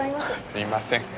すいません。